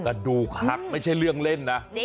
กระดูกหักไม่ใช่เรื่องเล่นนะ